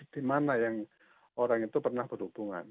di mana yang orang itu pernah berhubungan